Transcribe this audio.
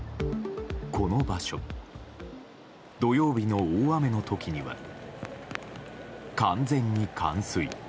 この場所、土曜日の大雨の時には完全に冠水。